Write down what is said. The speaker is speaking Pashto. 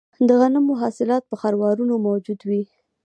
د غنمو حاصلات په خروارونو موجود وي